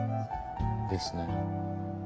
ですね。